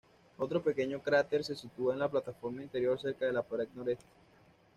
Otro pequeño cráter se sitúa en la plataforma interior cerca de la pared noreste.